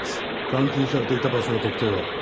監禁されていた場所の特定は？